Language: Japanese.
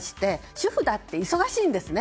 主婦だって忙しいんですよね。